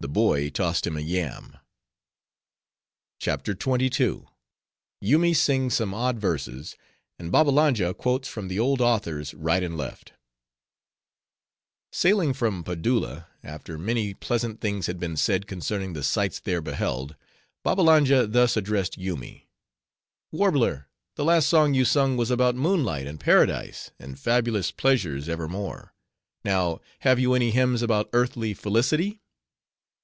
The boy tossed him a yam. CHAPTER XXII. Yoomy Sings Some Odd Verses, And Babbalanja Quotes From The Old Authors Right And Left Sailing from Padulla, after many pleasant things had been said concerning the sights there beheld; Babbalanja thus addressed Yoomy— "Warbler, the last song you sung was about moonlight, and paradise, and fabulous pleasures evermore: now, have you any hymns about earthly felicity?"